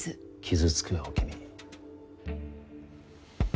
傷つくよ君。